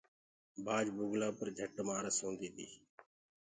بآج بُگلآ پر جھٽ مآس هوندي تي۔